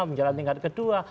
pembicaraan tingkat kedua